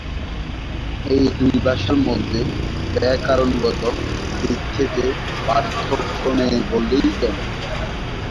এই দুই ভাষার মধ্যে ব্যাকরণগত দিক থেকে পার্থক্য নেই বললেই চলে।